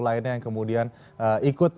lainnya yang kemudian ikut